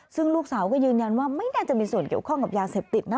ซึ่งลูกสาวก็ยืนยันว่าไม่น่าจะมีส่วนเกี่ยวข้องกับยาเสพติดนะ